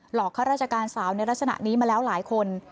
อกข้าราชการสาวในลักษณะนี้มาแล้วหลายคน